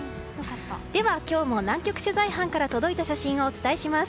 では、今日も南極取材班から届いた写真をお伝えします。